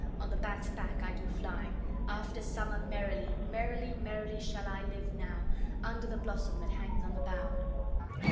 On the bat's back I do fly After summer merrily. Merrily, merrily shall I live now Under the blossom that hangs on the bough."